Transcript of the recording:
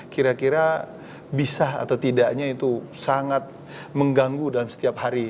kira kira bisa atau tidaknya itu sangat mengganggu dalam setiap hari